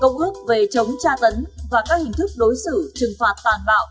công ước về quyền của người quyết tật công ước về chống tra tấn và các hình thức đối xử trừng phạt tàn bạo